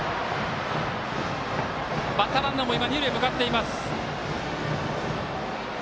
バッターランナーも二塁へ向かっています。